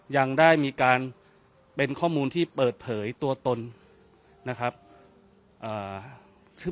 ยังได้มีการเป็นข้อมูลที่เปิดเผยตัวตนนะครับ